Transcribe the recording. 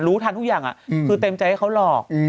ทันทุกอย่างคือเต็มใจให้เขาหลอก